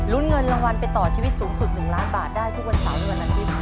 ลุ้นเงินรางวัลไปต่อชีวิตสูงสุด๑ล้านบาทได้ทุกวันเสาร์ในวันอันที่